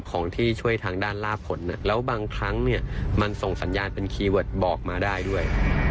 ของด้านลาผลนะแล้วบางครั้งเนี่ยมันส่งสัญญาณเป็นคีย์วอร์ดบอกมาได้ด้วย